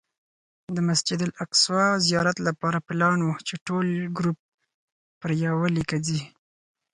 د مسجد الاقصی زیارت لپاره پلان و چې ټول ګروپ پر یوه لیکه ځي.